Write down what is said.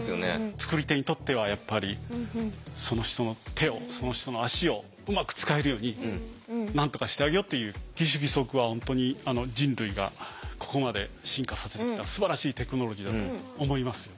作り手にとってはやっぱりその人の手をその人の足をうまく使えるようになんとかしてあげようっていう義手義足は本当に人類がここまで進化させてきたすばらしいテクノロジーだと思いますよ。